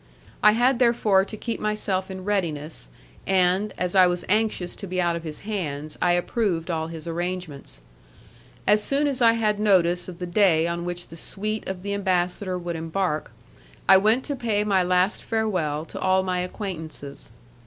I had therefore to keep myself in readiness, and, as I was anxious to be out of his hands, I approved all his arrangements. As soon as I had notice of the day on which the suite of the ambassador would embark, I went to pay my last farewell to all my acquaintances.